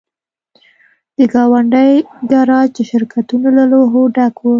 د ګاونډۍ ګراج د شرکتونو له لوحو ډک و